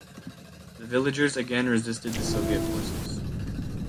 The villagers again resisted the Soviet forces.